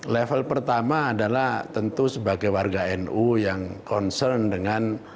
level pertama adalah tentu sebagai warga nu yang concern dengan